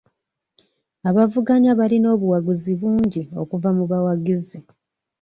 Abavuganya baalina obuwagizi bungi okuvu mu bawagizi.